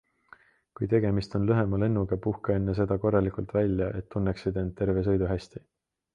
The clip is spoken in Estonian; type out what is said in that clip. Kui tegemist on lühema lennuga, puhka enne seda korralikult välja, et tunneksid end terve sõidu hästi.